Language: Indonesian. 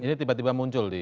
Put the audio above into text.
ini tiba tiba muncul nih